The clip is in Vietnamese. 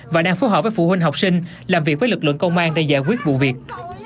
và đang phối hợp với phụ huynh học sinh làm việc với lực lượng công an để giải quyết vụ việc